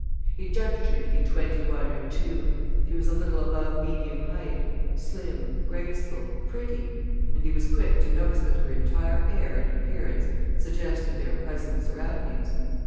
He judged her to be twenty one or two; she was a little above medium height, slim, graceful, pretty, and he was quick to notice that her entire air and appearance suggested their present surroundings.